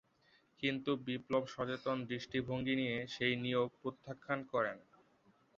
কিন্তু বিপ্লব-সচেতন দৃষ্টিভঙ্গি নিয়ে সেই নিয়োগ প্রত্যাখ্যান করেন।